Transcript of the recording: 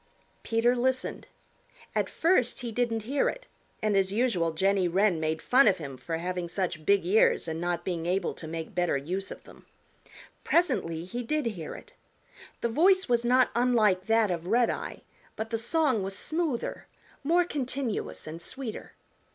Peter listened. At first he didn't hear it, and as usual Jenny Wren made fun of him for having such big ears and not being able to make better use of them. Presently he did hear it. The voice was not unlike that of Redeye, but the song was smoother, more continuous and sweeter.